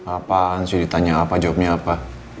apaan sih ditanya apa jawabnya